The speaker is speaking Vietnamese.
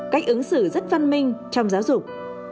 cách ứng xử rất văn minh trong giáo dục